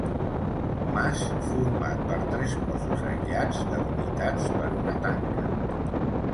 Mas format per tres cossos aïllats delimitats per una tanca.